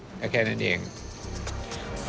เรียกได้ว่าการทำงานของตำรวจนครบาน